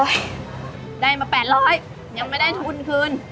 ได้มา๘๐๐ยังไม่ได้ทุนคืน